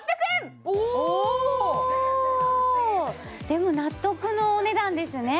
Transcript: でも納得のお値段ですね